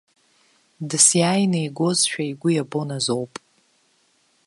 Дысиааины игозшәа игәы иабон азоуп.